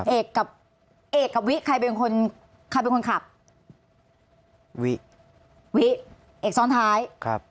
เอกกับเอกกับวิใครเป็นคนใครเป็นคนขับวิวิเอกซ้อนท้ายครับ